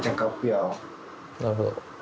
なるほど。